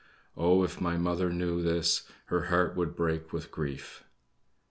Oh, if my mother knew this, her heart would break with grief!"